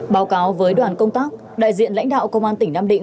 báo cáo với đoàn công tác đại diện lãnh đạo công an tỉnh nam định